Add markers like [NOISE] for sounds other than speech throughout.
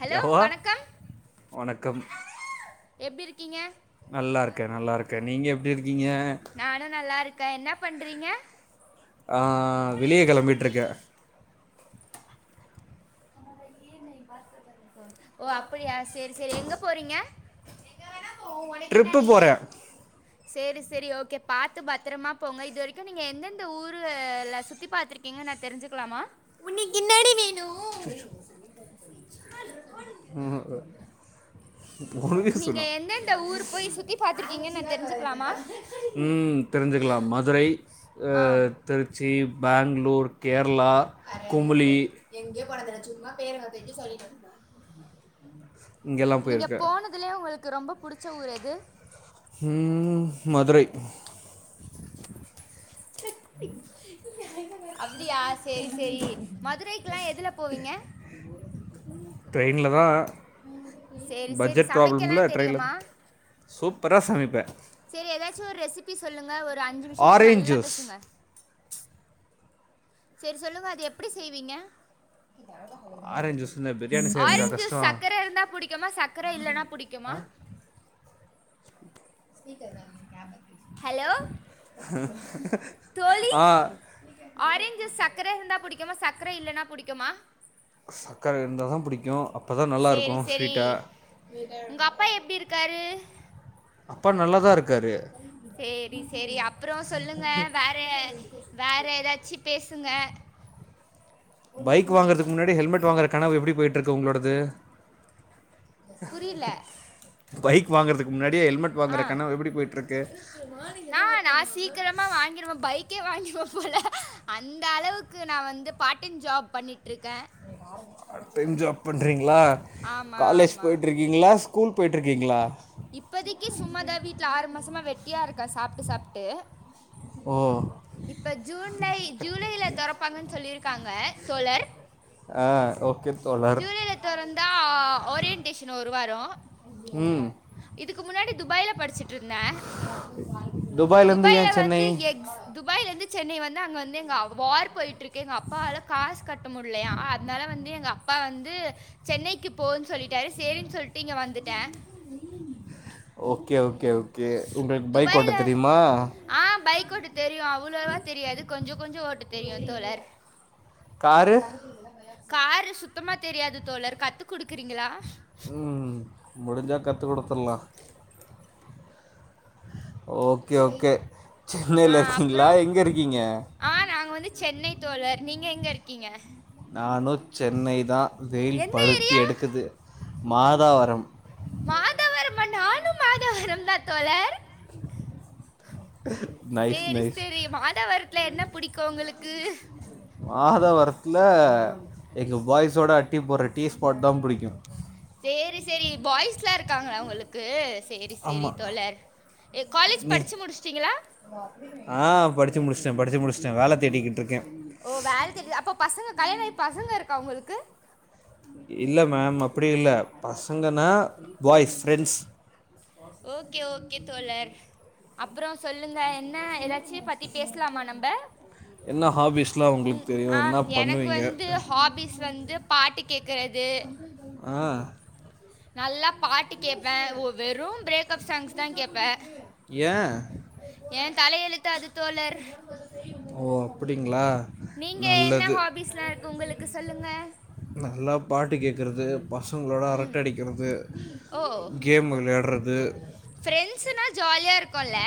Hello யவா வணக்கம் வணக்கம் எப்டி இருக்கீங்க நல்ல இருக்கேன் நல்லாயிருக்கேன் நீங்க எப்டி இருக்கீங்க நானும் நல்லா இருக்கேன் என்ன பண்றீங்க அ வெளிய கிளம்பிட்டுருக்கேன் ஓ ஓ அப்டியா சேரி சேரி எங்க போறீங்க ட்ரிப்பு போறேன் [INAUDIBLE] சேரி சேரி ஓகே பாத்து பத்திரமா போங்க இது வரைக்கும் நீங்க எந்தெந்த ஊருலா சுத் த்தி பாத்துருக்கீங்கனு நா தெரிஞ்சிக்கலாமா உனக்கு என்னடி வேணும் அய்யோ இச் பண்ற கோல் ம் [INAUDIBLE] நீங்க எந்தெந்த ஊர் போய் சுத்தி பாத்துருக்கீங்கனு நா தெரிஞ்சுக்கலாமா ம் தெரிஞ்சுக்கலாம் மதுரை அ ஆ திருச்சி பெங்களூர் கேரளா குமுளி மா பேர் வாத்தைக்கு சொல்லிக்கணும் ஆ ஆ நீங்க போனதிலே உங்களுக்கு ரொம்ப புடிச்ச ஊர் எது ம் மதுரை ட்ரிப்பிங் அப்டியா சேரி சேரி மதுரைக்கெல்லாம் எதுல போவிங்க ட்ரெயின்ல தான் சரி சரி பட்ஜெட் ப்ராப்ளம்ல் சமைக்கலாம் ட்ரெய்ன்ல தெரியுமா சூப்பர சமைப்பேன் சேரி ஏதாச்சும் ஒரு ரெசிபி சொல்லுங்க ஒரு அஞ்சு நிமிஷத்துக்கு ஆரஞ்ச் நல்லா ஜூஸ் பேசுங்க செரி சொல்லுங்க அது எப்டி செய்வீங்க ஆரஞ்ச் ஜூஸ் இந்த பிரியாணி செய்றதுக்கா ஆரஞ் ஜூஸ் கஷ்டோ சர்க்கரை இருந்தா புடிக்குமா சர்க்கரை இல்லன்னா புடிக்குமா நீ கவனிக்காம பேசு ஹலோ தோழி ஆ ஆரஞ்சு ஜூஸ் சக்கர இருந்தா புடிக்குமா சக்கரை இல்லைன்னா புடிக்குமா சக்கர இருந்தாதான் புடிக்கும் அப்பதான் நல்லா சரி இருக்கும் சரி ஸ்வீட்டா கரு அப்பா நல்லாதான் இருக்காரு சேரி சேரி அப்பறம் சொல்லுங்க வேற வேற ஏதாச்சு பேசுங்க பைக் வாங்கறதுக்கு முன்னாடி ஹெல்மெட் வாங்கற கனவு எப்டி போயிட்டு இருக்கு உங்களோடது புரியல பைக் வாங்கறதுக்கு முன்னாடியே ஹெல்மெட் வாங்குற கனவு எப்டி போயிட்டு இருக்கு நானா நா சீக்கிரமா வாங்கிடுவேன் பைக்கே வாங்கிடுவன் போல அந்த அளவுக்கு நான் வந்து பார்ட் டைம் ஜாப் பண்ணிட்ர்க்கே பார்ட் டைம் ஜாப் பண்றீங்ளா ஆமாம் காலேஜ் ஆமாம் போய்ட்டு இருக்கீங்ளா ஸ்கூல் போய்ட் இருக்கீங்களா இப்போதிக்கி சும்மாதா வீட்ல ஆறு மாசமா வெட்டியா இருக்கே சாப்ட்டு சாப்ட்டு ஓ இப்ப ஜுன்லை ஜூலையில தொறப்பாங்கனு சொல்லி இருக்காங்க தோழர் ஆ ஓகே தோழர் த்தொறந்தா ஓரியன்டேஷன் ஒரு வாரோ ம் இதுக்கு முன்னாடி துபாயில படிச்சிட்டு இருந்த துபாயிலேருந்து துபாயில ஏன் சென்னை வந்து எக்ஸ் துபாயில இருந்து சென்னை வந்து அங்க வந்து எங்க அவ் வார் போயிட்டு இர்க்கு எங்க அப்பாவால காஸ் கட்ட முடியலையா அதனால வந்து எங்க அப்பா வந்து சென்னைக்கு போனு சொல்லிட்டாரு சேரின்னு சொல்லிட்டு இங்க வந்துட்டே ஓகே ஓகே ஓகே உங்களுக்கு பைக் ஓட்ட துபாயில தெரியுமா ஆ பைக் ஓட்ட தெரியு அவ்ளோவா தெரியாது கொஞ்சோ கொஞ்சோ ஓட்ட தெரியு தோழர் காரு காரு சுத்தமா தெரியாது தோழர் கத்துக்குடுக்கிறீங்களா ம் முடிஞ்சா கத்துக்குடுத்துர்லா ஓகே ஓகே ஆ சென்னையில ஃபுல்லா அப்புறம் எங்க இருக்கீங்க ஆ நாங்க வந்து சென்னை தோழர் நீங்க எங்க இருக்கீங்க நானு சென்னை தா வெயில் எந்த பழுத்தி ஏரியா எடுக்குது மாதாவரம் மாதவரமா நானு மாதவரம் தா தோழர் நைஸ் சேரி நைஸ் சேரி மாதாவரத்துல என்ன புடிக்கு உங்களுக்கு மாதாவரத்தில எங்க பாய்ஸோடு அட்டி போடுற டீ ஸ்பாட் தா புடிக்கு சேரி சேரி பாய்ஸ்லா இருக்காங்களா உங்களுக்கு சேரி சேரி ஆமாம் தோழர் ஏ காலேஜ் நீ படிச்சு முடிச்சுட்டிங்களா ஆ படிச்சு முடிச்சிட்டே படிச்சு முடிச்சிட்டே வேல தேடிகிட்டு இருக்கே ஓ வேல தேர்ட அப்ப பசங்க கல்யாணாயி பசங்க இருக்கா உங்களுக்கு இல்ல மேம் அப்டி இல்ல பசங்கன்னா பாய்ஸ் ஃப்ரெண்ட்ஸ் ஓகே ஓகே தோழர் அப்பறோ சொல்லுங்க என்ன எதாச்சீ பத்தி பேசலாமா நம்ம என்ன ஹாபீஸ்லாம் உங்களுக்கு ம் ஆ தெரியும் என்ன எனக்கு வந்து பண்ணுவீங்க ஹாபிஸ் வந்து பாட்டு கேக்றது ஆ நல்லா பாட்டு கேட்பேன் வெறும் பிரேக்ப் சாங்ஸ் தா கேட்பே ஏ ஏ தலையெழுத்து அது தோழர் ஓ அப்டிங்களா நீங்க என்ன ஹாபீஸ்லா இருக்கு உங்களுக்கு சொல்லுங்க நல்லா பாட்டு கேக்கறது பசங்களோட அரட்ட அடிக்கிறது கேம் விளையாறது பிரெண்ட்ஸ்னா ஜாலியா இருக்குல்ல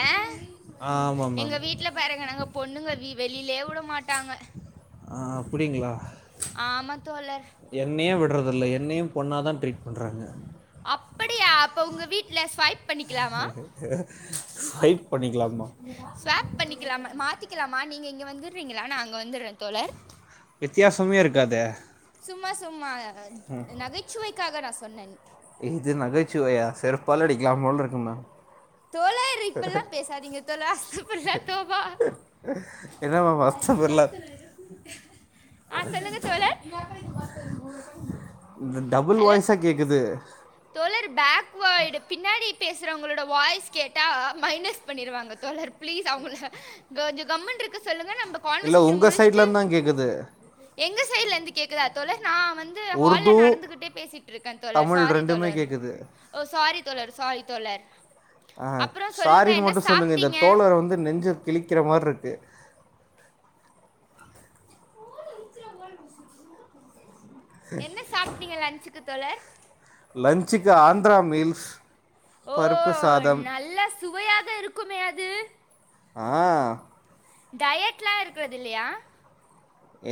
ஆ ஆமா மேம் சில வீட்ல பாருங்கனாங்க பொண்ணுங்க வெளியிலயே விட மாட்டாங்க ஆ அப்டிங்களா ச் ஆமா தோழர் என்னயே விட்றதில்ல என்னயூ பொண்ணா தா ட்ரீட் பண்ட்றாங்க அப்படியா அப்ப உங்க வீட்ல ஸ்வைப் பண்ணிக்கலாமா? ஸ்வைப் பண்ணிக்கலாமா ஸ்வேப் பண்ணிக்லாமா மாத்திக்லாமா நீங்க இங்க வந்துட்றீங்களா நா அங்க வந்துட்றே தோழர் வித்தியாசமே இருக்காதே சும்மா சும்மா அ நகைச்சுவைக்காக நா சொன்னன் இது நகைச்சுவையா செருப்பால அடிக்கலா போல இருக்கு மேம் தோழர் இப்பில்லா பேசாதீங்க தோலா இப்பல்லா தோபா இதாம்மா மாஸ்டரு பிர்ல ஆ சொல்லுங்க தோழர். உன்து டபுள் ஹலோ வாய்ஸா கேக்குது தோழர் பேக்வேய்டு பின்னாடி பேசுறவங்களோட வாய்ஸ் கேட்டா மைனஸ் பண்ணிருவாங்க தோழர் ப்ளீஸ் அவுங்கள கொஞ்சோ கம்முனு இருக்க சொல்லுங்க நம்ப இல்ல ஒங்க சைட்லர்ந்தா கேக்குது எங்க சைடுல இர்ந்து கேக்குதா தோழர் நா வந்து ஹால்ல உருது நடந்துகிட் டே பேசிட்ருக்கே தோழர் தமிழ் சாரி ரெண்டுமே தோழர் கேட்குது ஓ சாரி தோழர் சாரி தோழர் ஆ அப்புறம் சொல்லுங்க சாரினு என்ன மட்டு சொல்லுங்க இந்த சாப்பிட்டீங்க தோழரு வந்து நெஞ்சு கிளிக்கிற மாறி இருக்கு என்ன சாப்ட்டீங்க லன்ச்சுக்கு தோழர் லஞ்சுக்கு ஆந்த்ரா மீல்ஸ் ஓ பருப்பு சாதம் நல்ல சுவையாக இருக்குமே அது ஆ டயட்லா இருக்குறதில்லயா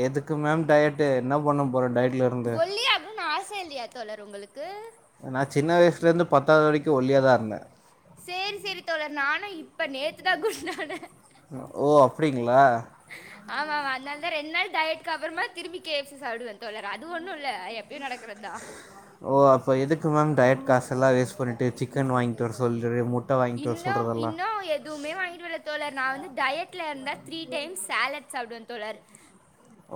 எதுக்கு மேம் டயட்டு என்ன பண்ண போறோ டயட்லருந்து ஒல்லியா ஆகோனோனு ஆசயில்லயா தோழர் ஒங்களுக்கு நா சின்ன வயசுலேர்ந்து பத்தாவது வரைக்கு ஒல்லியா தா இருந்தே சேர் சேரி தோழர் நானு இப்ப நேத்து தா குண்டானே ஓ அப்டீங்களா ஆமாமா அதுனால தா ரெண்டு நாள் டயட்க்கு அப்பறமா திருப்பி கேக் சாப்டுவே தோளர் அது ஒன்னு இல்ல எப்பயூ நடக்கறதா ஓ அப்ப எதுக்கு மேம் டயட் காசுல்லா வேஸ்ட் பண்ணிட்டு சிக்கன் வாங்கிட்டு வர சொல்லிரு மு இன்னும் இன்னோ எ துமே வாங்கிட்டுவர்ல தோழர் நா வந்து டயட்ல இருந்தா த்ரீ டைம்ஸ் சேலட் சாப்டுவ தோழர்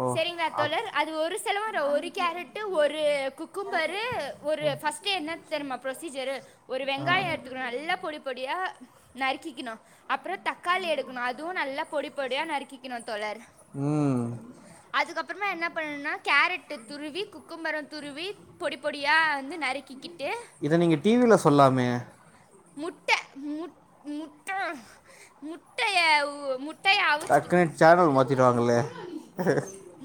ஓ சேரிங்களா அப் தோழர் அது ஒரு செலவோல்ல ஒரு கேரட்டு ஒரு குக்கும்பரு ஒரு ஃபர்ஸ்டே என்ன தெர்மா ப்ரொசீஜரூ ஒரு வெங்காயோ எடுத்துக்குனோ நல்லா பொடி பொடியா நறுக்கிக்கிணோ அப்புறோ தக்காளி எடுக்கணோ அதுவு நல்லா பொடி பொடியா நறுக்கிக்கிணோ தோழர் ம் அதுக்கப்பறமா என்ன பண்ணுனா கேரட்டு துருவி குக்கும்பர துருவி பொடி பொடியா வந்து நறுக்கிக்கிட்டு இத நீங்க டீ வில சொல்லாமே முட்ட முட் முட்ட்ட முட்டய உ முட் டக்குனு சேனல் மாத்திடுவாங்களே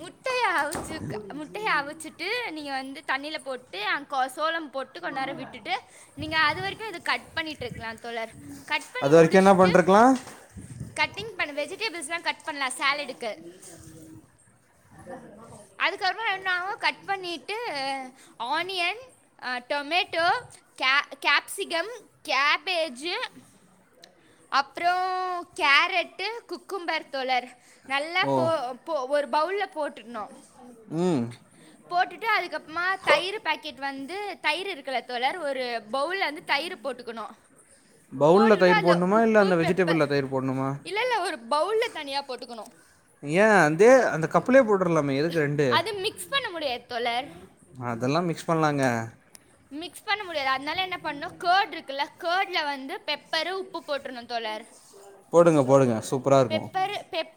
முட்டய அவிச்சுக்க முட்டய அவுச்சுட்டு நீங்க வந்து தண்ணில போட்டு அங்கோ சோளம் பொட்டு கொண் நேரோ விட்டுட்டு நீங்க அது வரைக்கு இது கட் பண்ணிட்டு இருக்லா தோழர் கட் பண்ணி அது வரைக்கோ என்ன முடிச்சுட்டு பண்ட்ருக்கலா கட்டிங் பன் வெஜிடேபிள்ஸ்லா கட் பண்லா சேலடுக்கு நல்ல சத்தமா சொல்லு அதுக்கப்புறோ என்னாவு கட் பண்ணீட்டு ஆனியன் அ டொமேட்டோ கே கேப்சிகம் கேபேஜூ அப்றோ கேரட்டு குக்கும்பர் தோழர் நல்லா ஓ போ போ ஒரு பவுல்ல போட்டுட்னு ம் போட்டுட்டு அதுக்கப்பமா தயிர் பாக்கெட் வந்து தயிர் இருக்குல தோழர் ஒரு பவுல்ல வந்து தயிர் போட்டுக்கணு பவுல்ல தயிர் போட்ணு உப்பு பெப்பர் இல்ல இல்ல ஒரு பவுல்ல தனியா போட்டுக்கணு ஏ தே அந்த கப்லே போட்ரலாமே எதுக்கு ரெண்டு அது மிக்ஸ் பண்ண முடியாது தோலர் அதெல்லா மிக்ஸ் பண்லாங்க மிக்ஸ் பண்ண முடியாது அதனால என்ன பண்ணணு கர்ட் இருக்குல்ல கர்ட்ல வந்து பெப்பரு உப்பு போட்ரணு தோழர் போடுங்க போடுங்க சூப்பரா இருக்கு பெப்பரு பெப்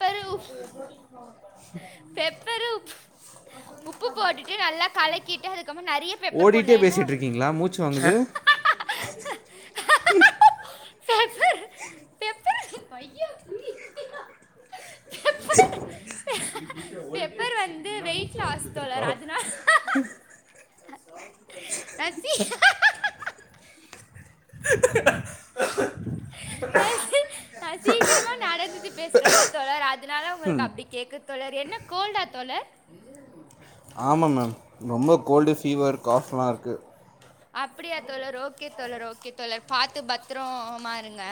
பெப்பரு உப் உப்பு போட்டுட்டு நல்லா கலக்கிட்டு அதுக்கப் நறிய பெப்பர் ஓடிட்டே போட்னு ஏனா பேசிட்ருக்கீங்களா மூச்சு வாங்குது பெப்பர் பெப்பர் ஐயோ பெப்பர் வீட்ல ஓல் டி எஃப் பெப்பர் வந்து செட்டிங்னா வெயிட் மூச்சு லாஸ் வாங்கரது இருக்கு தோழர் அதனால ந ச்சீ நா சீக்கிரமா நடந்துட்டு பேசுறன்ல தோழர் அதனால உங்களுக்கு அப்டி கேக்குது தோழர் என்ன கோல்டா தோழர் ஆமா மேம் ரொம்ப கோல்டு ஃபீவர் காஃப்லா இருக்கு அப்டியா தோழர் ஓகே தோழர் ஓகே தோழர் பாத்து பத்தோரமா இருங்க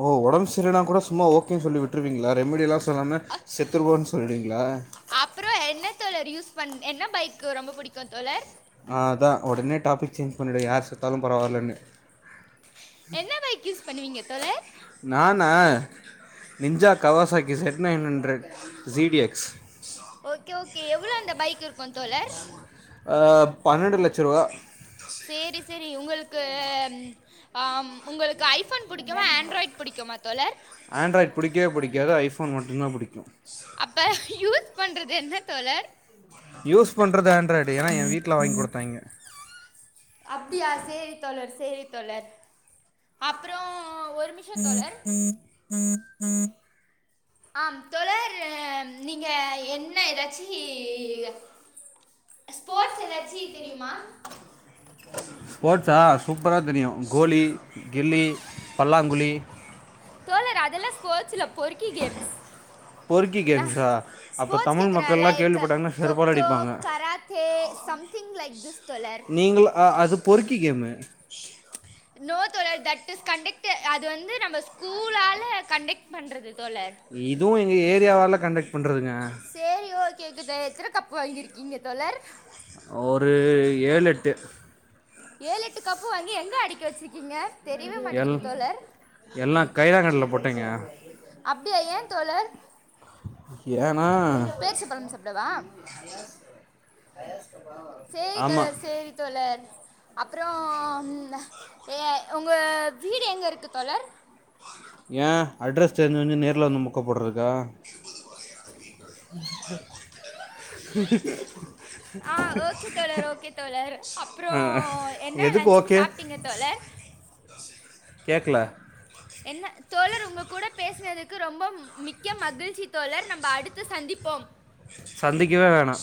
ஓ உடம்பு சரியில்லன்னா கூட சும்மா ஓகேனு சொல்லி விட்ருவீங்களா ரெமிடிலா சொல்லாம செத்துருவான் சொல்றிங்களா அப்றோ என்ன தோழர் யூஸ் பண் என்ன பைக் ரொம்ப புடிக்கு தோழர் ஆ அதா ஒடனே டாபிக் சேஞ்ச் பண்ணிடு யார் செத்தாலு பரவால்லனு என்ன பைக் யூஸ் பண்ணுவீங்க தோழர் நானா ninja Kawasaki Z nine hundred G T X okay okay எவ்ளோ அந்த பைக் இருக்கு தோழர் ஆ பன்னெண்டு லட்ச ருவா சேரி சேரி உங்களுக்கு அ ம் உங்களுக்கு ஐ ஐ ஃபோன் புடிக்குமா ஆண்ட்ராய்டு புடிக்குமா தோழர் ஆண்ட்ராய்ட் புடிக்கவே புடிக்காது ஐஃபோன் மட்டுதா புடிக்கு அப்ப யூஸ் பண்றது என்ன தோழர் யூஸ் பண்றது ஆண்ட்ராய்டு ஏனா எ வீட்ல வாங்கி குடுத்தாய்ங்க அப்டியா சேரி தோழர் சேரி தோழர் அப்றோ ஒரு மிஷ தோழர் ஆம் தோழர் அ நீங்க என்ன எதாச்சி ஸ்போர்ட்ஸ் எதாச்சி தெரியுமா ஸ்போர்ட்ஸா சூப்பரா தெரியு கோலி, கில்லி, பல்லாங்குழி தோழர் அதெல்லா ஸ்போர்ட்ஸ் இல்ல பொறுக்கி கேம்ஸ் பொறுக்கி நா கேம்ஸா அப்போ ஸ்போர்ட்ஸ் தமிழ் கேக்குற மக்கள்லாம் லைக் கேள்விப்பட்டாங்கன்னா செருப்பால் கொக்கோ அடிப்பாங்க karate something like this தோழர் நீங்கள் அ- அது பொறுக்கி கேமு நோ தோழர் தட் இஸ் கண்டக்ட் அது வந்து நம்ம ஸ்கூலால கண்டக்ட் பண்றது தோழர் இதுவு எங்க ஏரியாவால கண்டக்ட் பண்றதுங்க சரி ஓகே ஓகே தோழர் எத்தன கப் வாங்கியிருக்கீங்க தோழர் ஒரு ஏழ் எட்டு ஏழு எட்டு கப்பு வாங்கி எங்க அடிக்கி வச் சுருக்கிங்க தெரியவே எல் மாட்டேங்குது தோழர் எல்லா கைலாங்கடைல போட்டேங்க அப்டியா ஏ தோழர் ஏனா பேர்ச்ச பழம் சாப்டவா சேரி ஆமா தோழர் சேரி தோழர் அப்றோ ம் ஆ ஏ ஒங்க வீடு எங்க இருக்கு தோழர் ஏ அட்ரஸ் தெரிஞ்சு வந்து நேர்ல வந்து மொக்க போட்றதுக்கா ஆ ஓகே தோழர் ஓகே தோழர் அப்றோ ஆ என்ன எதுக்கு லன்சுக்கு ஓகே சாப்ட்டீங்க தோழர் கேக்ல என்ன தோழர் ஒங்க கூட பேசினதுக்கு ரொம்ப மிக்க மகிழ்ச்சி தோழர் நம்ப அடுத்து சந்திப்போம் சந்திக்கவே வேணா